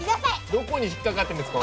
どこに引っかかっているんですか